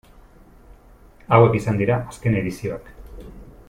Hauek izan dira azken edizioak.